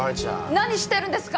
何してるんですか！